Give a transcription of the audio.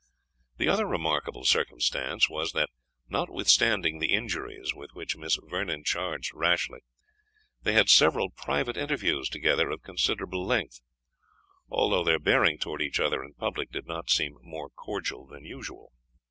The other remarkable circumstance was, that, notwithstanding the injuries with which Miss Vernon charged Rashleigh, they had several private interviews together of considerable length, although their bearing towards each other in public did not seem more cordial than usual.